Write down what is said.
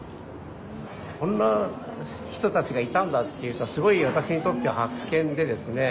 こんな人たちがいたんだっていうかすごい私にとって発見でですね